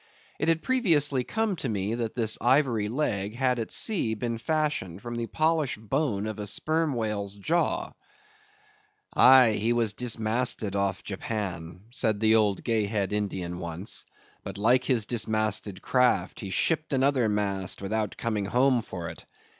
It had previously come to me that this ivory leg had at sea been fashioned from the polished bone of the sperm whale's jaw. "Aye, he was dismasted off Japan," said the old Gay Head Indian once; "but like his dismasted craft, he shipped another mast without coming home for it.